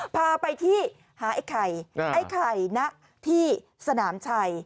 พาไปที่หาไอ้ไข่ไอ้ไข่นะที่สนามชัย